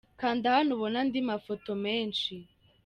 Kanda hano ubone andi mafoto menshi.